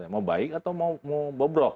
mau baik atau mau bobrok